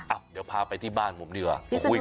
เดี๋ยวพาไปที่บ้านผมดีกว่า